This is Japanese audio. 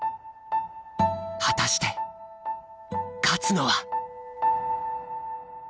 果たして勝つのは？